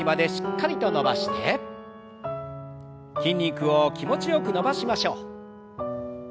筋肉を気持ちよく伸ばしましょう。